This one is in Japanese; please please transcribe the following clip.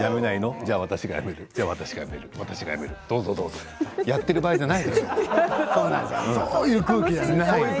じゃあ私が辞める、私が辞める、どうぞ、どうぞやっている場合じゃない。